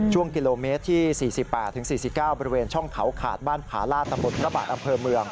ช่วงกิโลเมตรที่๔๘๔๙บริเวณช่องเขาขาดบ้านผาลาตำบลพระบาทอำเภอเมือง